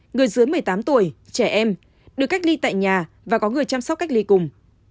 người dưới một mươi tám tuổi trẻ em được cách ly tại nhà và có người chăm sóc cách ly cùng